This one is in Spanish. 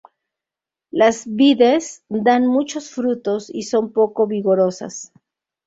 Las vides dan muchos frutos y son poco vigorosas.